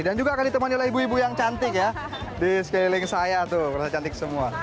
dan juga akan ditemani oleh ibu ibu yang cantik ya di sekeliling saya tuh berasa cantik semua